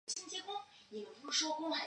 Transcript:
我帮不了你们